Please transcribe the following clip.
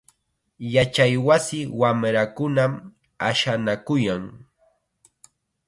Yachaywasi wamrakunam ashanakuyan.